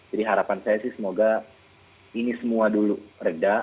jadi harapan saya sih semoga ini semua dulu reda